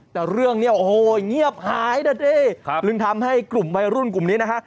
ปรึงทำให้กลุ่มว่ายรุ่นไว้รุ่นกลุ่มนี้นะคะ